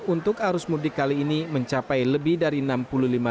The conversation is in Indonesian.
untuk arus mudik kali ini mencapai lebih dari dua puluh empat penerbangan tambahan